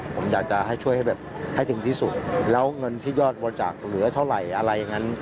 ผมอยากจะให้ช่วยให้แบบให้ถึงที่สุดแล้วเงินที่ยอดบริจาคเหลือเท่าไหร่อะไรอย่างนั้น